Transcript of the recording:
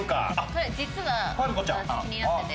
これ実は私気になってて。